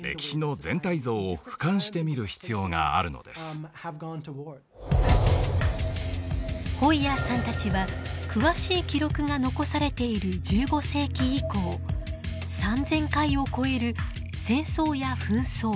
中心的メンバーのホイヤーさんたちは詳しい記録が残されている１５世紀以降３，０００回を超える戦争や紛争